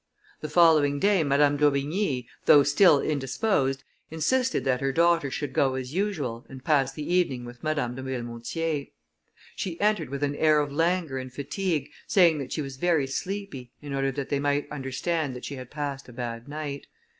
The following day, Madame d'Aubigny, though still indisposed, insisted that her daughter should go as usual, and pass the evening with Madame de Villemontier. She entered with an air of languor and fatigue, saying that she was very sleepy, in order that they might understand that she had passed a bad night.